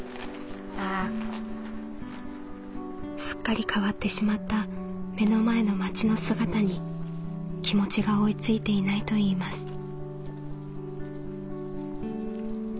すっかり変わってしまった目の前の町の姿に気持ちが追いついていないといいます。